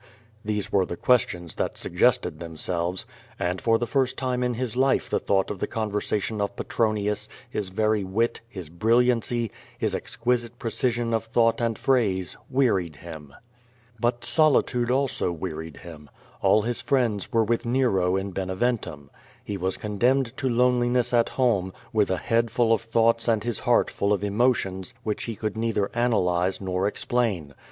'' These were the questions that suggested themselves. And for the first time in his life the thought of the conversation of Pe tronius, his very wit, his brilliancy, his exquisite precision of thought and phrase, wearied him. But solitude also wearied him. All his iriends were with Nero in Beneventum. He was condemned to loneliness at home, with a head full of thoughts and his heart full of emo tions which he could neither analyze nor explain.